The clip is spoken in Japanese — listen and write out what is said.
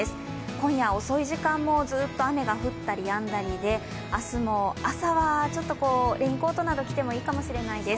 今夜遅い時間もずっと雨が降ったりやんだりで明日も朝はちょっとレインコートなど着てもいいかもしれないです。